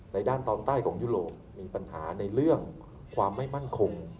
ด้านตอนใต้ของยุโรปมีปัญหาในเรื่องความไม่มั่นคง